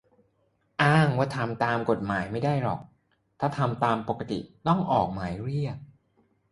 อ้างว่าทำตามกฎหมายไม่ได้หรอก ถ้าทำตามปกติต้องออกหมายเรียก